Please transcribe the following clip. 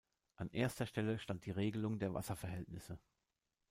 An erster Stelle stand die Regelung der Wasserverhältnisse.